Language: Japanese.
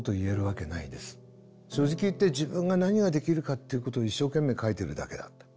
正直言って自分が何ができるかっていうことを一生懸命書いてるだけだ。